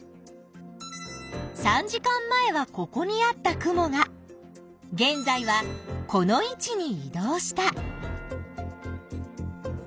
３時間前はここにあった雲が現在はこの位置にい動した。